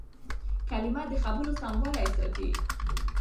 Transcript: کلیمه د خبرو سموالی ساتي.